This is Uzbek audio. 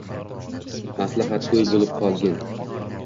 «Maslahatgo’y bo’lib qolgin